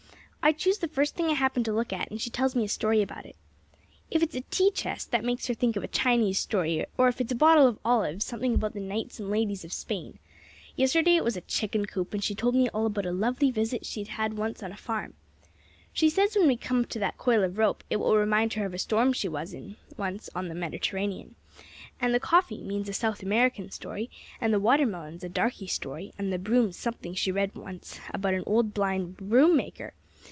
I choose the first thing I happen to look at, and she tells me a story about it. If it's a tea chest, that makes her think of a Chinese story; or if it's a bottle of olives, something about the knights and ladies of Spain. Yesterday it was a chicken coop, and she told me about a lovely visit she had once on a farm. She says when we come to that coil of rope, it will remind her of a storm she was in on the Mediterranean; and the coffee means a South American story; and the watermelons a darkey story; and the brooms something she read once about an old, blind broom maker.